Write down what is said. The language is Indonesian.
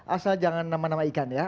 asal jangan nama nama ikan ya